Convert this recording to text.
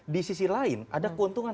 di sisi lain ada keuntungan